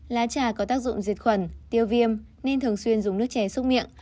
lá trà có tác dụng diệt khuẩn tiêu viêm nên thường xuyên dùng nước chè xúc miệng